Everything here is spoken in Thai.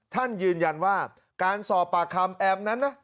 ท่านยืนยันว่าการสอบปากคำแอมนั้นนะ